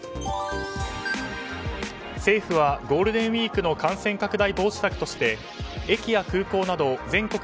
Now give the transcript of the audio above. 政府はゴールデンウィークの感染拡大防止策として駅や空港など全国